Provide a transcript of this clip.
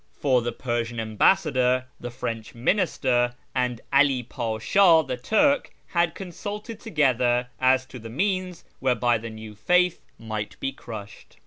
For the Persian ambassador, the French minister, and 'All P;isha, the Turk, had consulted together as to the means whereby the new faitli might be crushed.